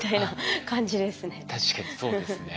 確かにそうですね。